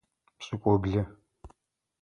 Пшӏыкӏублы.